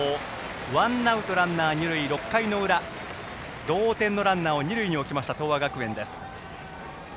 ワンアウトランナー、二塁６回の裏同点のランナーを二塁に置きました東亜学園です。